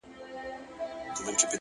هره هڅه بې پایلې نه وي.